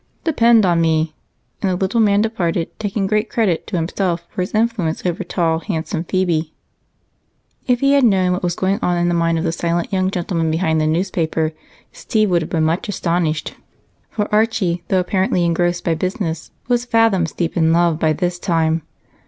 "Depend upon me!" And the little man departed, taking great credit to himself for his influence over tall, handsome Phebe. If he had known what was going on in the mind of the silent young gentleman behind the newspaper, Steve would have been much astonished, for Archie, though apparently engrossed by business, was fathoms deep in love by this time.